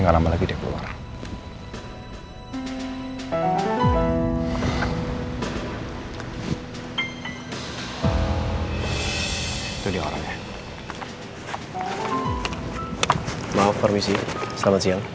maaf permisi selamat siang